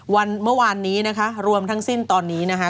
วันเมื่อวานนี้นะคะรวมทั้งสิ้นตอนนี้นะคะ